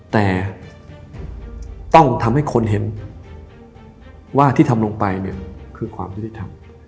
แต่ต้องทำให้คนเห็นว่าที่ทำลงไปเนี่ยคือความยุติธรรม